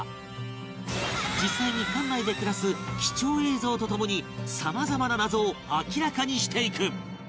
実際に艦内で暮らす貴重映像と共に様々な謎を明らかにしていく